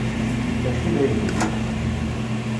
Mačči d ayla-k.